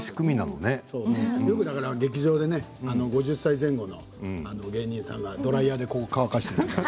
よく劇場で５０歳前後の芸人さんがドライヤーで乾かしていますよ。